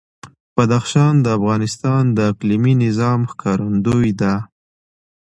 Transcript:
بدخشان د افغانستان د اقلیمي نظام ښکارندوی ده.